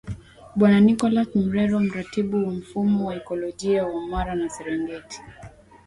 Bwana Nicholas Murero mratibu wa mfumo wa ikolojia wa Mara na Serengeti